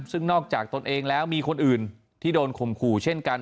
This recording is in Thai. ซึ่งนอกจากตนเองแล้วมีคนอื่นที่โดนข่มขู่เช่นกัน